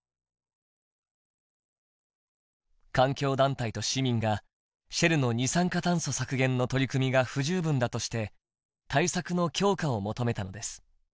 環境団体と市民がシェルの二酸化炭素削減の取り組みが不十分だとして対策の強化を求めたのです。